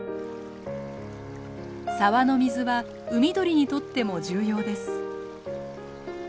沢の水は海鳥にとっても重要です。